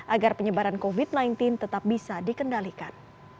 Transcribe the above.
agar penyebaran covid sembilan belas tetap bisa dikendalikan